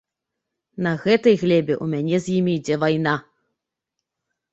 На гэтай глебе ў мяне з імі ідзе вайна.